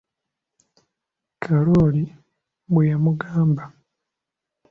Kalooli bwe yamugamba.